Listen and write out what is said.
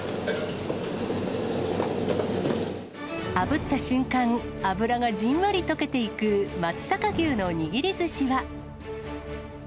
あぶった瞬間、脂がじんわり溶けていく松阪牛の握りずしは。